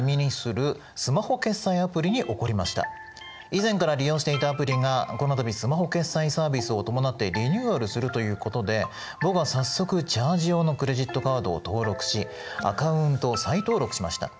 以前から利用していたアプリがこの度スマホ決済サービスを伴ってリニューアルするということで僕は早速チャージ用のクレジットカードを登録しアカウントを再登録しました。